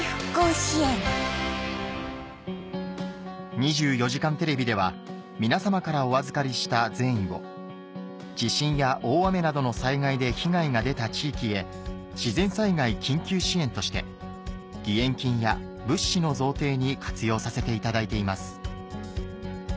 『２４時間テレビ』では皆様からお預かりした善意を地震や大雨などの災害で被害が出た地域へ自然災害緊急支援として義援金や物資の贈呈に活用させていただいています